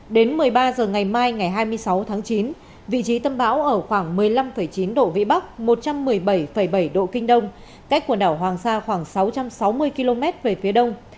đến một mươi ba h ngày mai ngày hai mươi sáu tháng chín vị trí tâm bão ở khoảng một mươi năm chín độ vĩ bắc một trăm một mươi bảy bảy độ kinh đông cách quần đảo hoàng sa khoảng sáu trăm sáu mươi km về phía đông